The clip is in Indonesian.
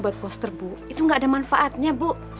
buat poster bu itu nggak ada manfaatnya bu